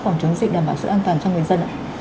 phòng chống dịch đảm bảo sự an toàn cho người dân ạ